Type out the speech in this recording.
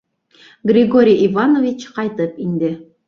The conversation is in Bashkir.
Григорий Иванович ҡайтып инде.